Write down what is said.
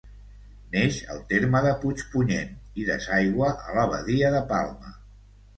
Neix al terme de Puigpunyent i desaigua a la badia de Palma.